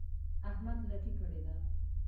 احمد لټي کړې ده.